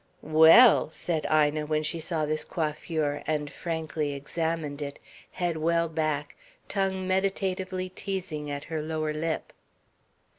"Well!" said Ina, when she saw this coiffure, and frankly examined it, head well back, tongue meditatively teasing at her lower lip.